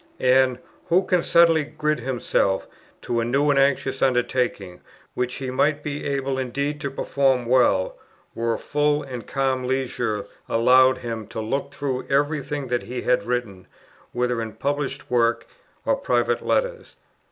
And who can suddenly gird himself to a new and anxious undertaking, which he might be able indeed to perform well, were full and calm leisure allowed him to look through every thing that he had written, whether in published works or private letters?